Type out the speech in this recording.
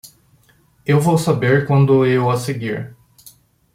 Eu vou saber quando eu a seguir.